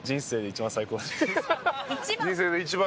一番！